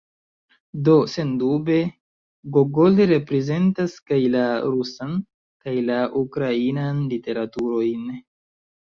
Do, sendube, Gogol reprezentas kaj la rusan, kaj la ukrainan literaturojn.